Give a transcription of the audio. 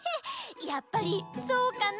やっぱりそうかな？